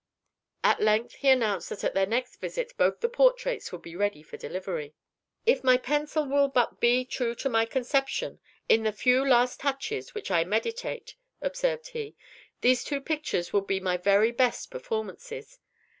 At length he announced that at their next visit both the portraits would be ready for delivery. "If my pencil will but be true to my conception, in the few last touches which I meditate," observed he, "these two pictures will be my very best performances.